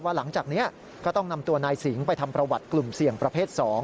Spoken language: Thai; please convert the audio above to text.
หลังจากนี้ก็ต้องนำตัวนายสิงห์ไปทำประวัติกลุ่มเสี่ยงประเภท๒